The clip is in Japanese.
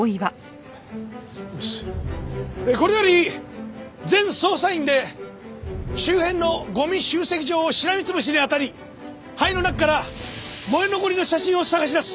これより全捜査員で周辺のゴミ集積所を虱潰しにあたり灰の中から燃え残りの写真を捜し出す。